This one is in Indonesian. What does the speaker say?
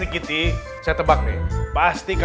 kebetulan saya juga